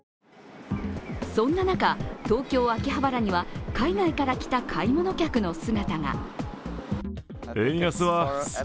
そんな中、東京・秋葉原には海外から来た買い物客の姿が。